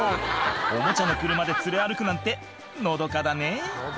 おもちゃの車で連れ歩くなんてのどかだね